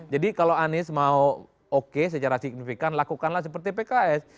jadi kalau anies mau oke secara signifikan lakukanlah seperti pks